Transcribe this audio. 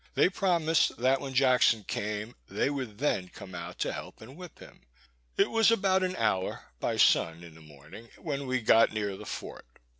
They promised that when Jackson came, they would then come out and help to whip him. It was about an hour by sun in the morning, when we got near the fort.